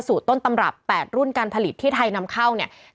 ต้นตำรับ๘รุ่นการผลิตที่ไทยนำเข้าเนี่ย